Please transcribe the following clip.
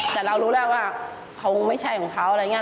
แต่เรารู้แล้วว่าเขาไม่ใช่ของเขาอะไรอย่างนี้